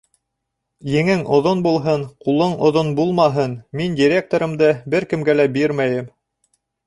Еңең оҙон булһын, ҡулың оҙон булмаһын, мин директорымды бер кемгә лә бирмәйем!